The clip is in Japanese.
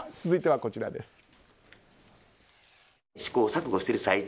続いては、こちらです。